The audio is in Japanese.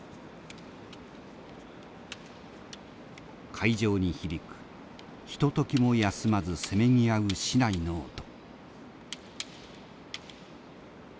会場に響くひとときも休まずせめぎ合う竹刀の音。